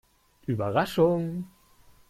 Überraschung!